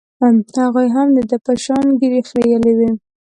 هغوى هم د ده په شان ږيرې خرييلې وې.